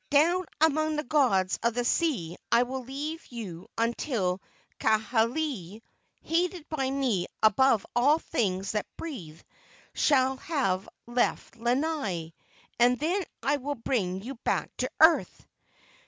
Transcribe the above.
Down among the gods of the sea I will leave you until Kaaialii, hated by me above all things that breathe, shall have left Lanai, and then I will bring you back to earth!"